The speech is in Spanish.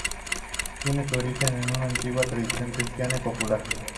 Tiene su origen en una antigua tradición cristiana y popular.